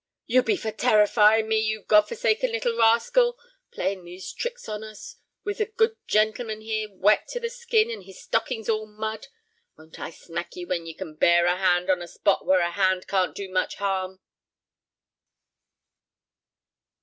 "You be for terrifying me, you God forsaken little rascal! Playing these tricks on us, with the good gentleman here wet to the skin and his stockings all mud! Won't I smack ye when ye can bear a hand on a spot where a hand can't do much harm!"